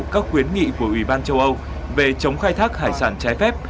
các khuyến nghị của ủy ban châu âu về chống khai thác hải sản trái phép